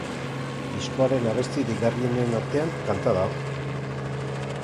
Diskoaren abesti deigarrienen artean kanta dago.